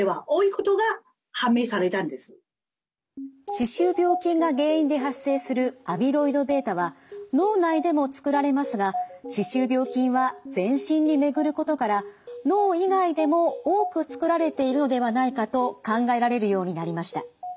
歯周病菌が原因で発生するアミロイドβは脳内でも作られますが歯周病菌は全身に巡ることから脳以外でも多く作られているのではないかと考えられるようになりました。